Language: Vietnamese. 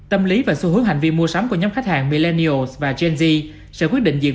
tâm lý và xu hướng hành vi mua sắm của nhóm khách hàng millenials và gen z sẽ quyết định diện